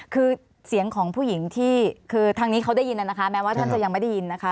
คือเสียงของผู้หญิงที่คือทางนี้เขาได้ยินนะคะแม้ว่าท่านจะยังไม่ได้ยินนะคะ